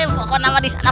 kalo masalah makanan mah